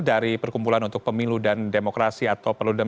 dari perkumpulan untuk pemilu dan demokrasi atau perludem